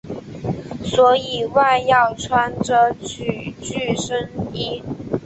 所以外要穿着曲裾深衣。